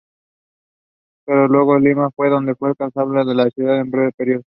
Pasó luego a Lima, donde fue alcalde de la ciudad por un breve periodo.